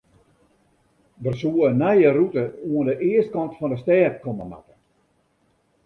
Der soe in nije rûte oan de eastkant fan de stêd komme moatte.